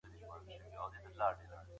د تاریخي پېښو تحلیل کول ستونزمن کار دی.